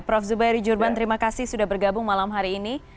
prof zubairi jurban terima kasih sudah bergabung malam hari ini